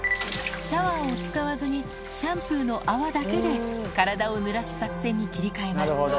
シャワーを使わずに、シャンプーの泡だけで体をぬらす作戦に切り替えます。